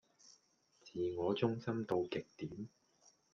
自我中心到極點